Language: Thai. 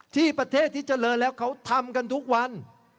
ที่ประเทศที่เจริญแล้วเขาทำกันทุกวัน